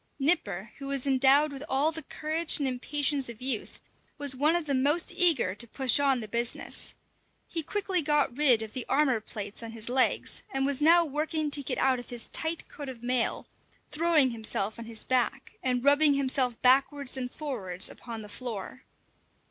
Nipper, who was endowed with all the courage and impatience of youth, was one of the most eager to push on the business. He quickly got rid of the armour plates on his legs, and was now working to get out of his tight coat of mail, throwing himself on his back, and rubbing himself backwards and forwards upon the floor.